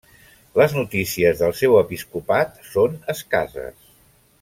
Les notícies del seu episcopat són escasses.